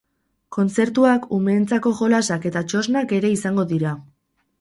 Kontzertuak, umeentzako jolasak eta txosnak ere izango dira.